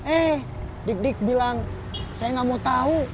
eh dik dik bilang saya gak mau tau